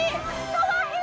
かわいい！